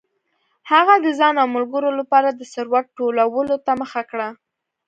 هغه د ځان او ملګرو لپاره د ثروت ټولولو ته مخه کړه.